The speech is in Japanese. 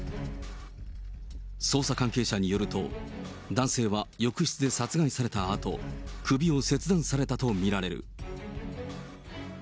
捜査関係者によると、男性は浴室で殺害されたあと、首を切断されたとみられる。